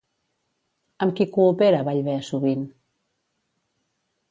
Amb qui coopera Ballbè sovint?